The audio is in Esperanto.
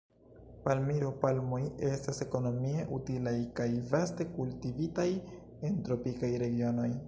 Palmiro-palmoj estas ekonomie utilaj, kaj vaste kultivitaj en tropikaj regionoj.